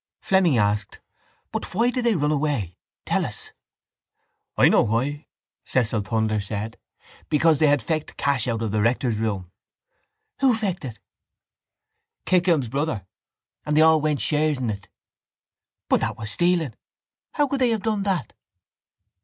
Fleming asked: —But why did they run away, tell us? —I know why, Cecil Thunder said. Because they had fecked cash out of the rector's room. —Who fecked it? —Kickham's brother. And they all went shares in it. —But that was stealing. How could they have done that?